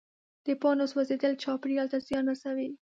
د پاڼو سوځېدل چاپېریال ته زیان رسوي.